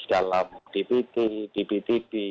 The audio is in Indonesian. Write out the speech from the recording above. dalam dpt dptd